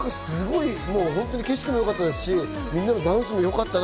景色もよかったですし、みんなのダンスもよかったな。